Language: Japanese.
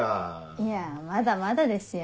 いやまだまだですよ。